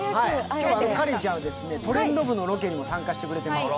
今日は花恋ちゃんは「トレンド部」のロケにも参加してくれています。